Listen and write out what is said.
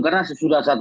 karena sesudah satu